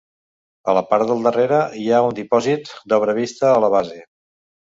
A la part del darrere hi ha un dipòsit d'obra vista a la base.